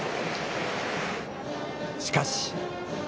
しかし。